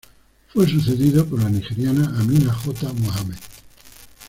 Fue sucedido por la nigeriana Amina J. Mohamed.